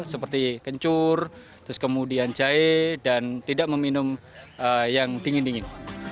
seperti kencur terus kemudian jahe dan tidak meminum yang dingin dingin